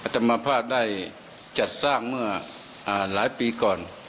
ธรรมภาคได้จัดสร้างเมื่อหลายปีก่อน